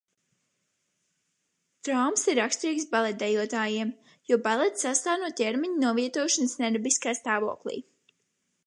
Traumas ir raksturīgas baletdejotājiem, jo balets sastāv no ķermeņa novietošanas nedabiskā stāvoklī.